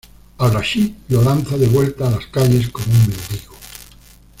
Al-Rashid lo lanza de vuelta a las calles como un mendigo.